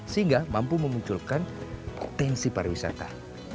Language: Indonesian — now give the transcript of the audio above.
sehingga mampu memunculkan potensi para wisata